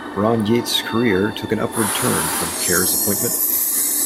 Ron Yeats' career took an upward turn from Kerr's appointment.